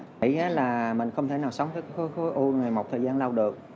mình nghĩ là mình không thể nào sống với khối u này một thời gian lâu được